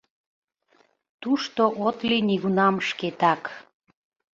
Тушто от лий нигунам шкетак.